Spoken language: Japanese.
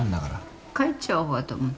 帰っちゃおうかと思ったよ。